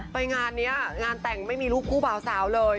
งานนี้งานแต่งไม่มีรูปคู่บ่าวสาวเลย